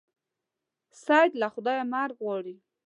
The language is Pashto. سید له خدایه مرګ غواړي.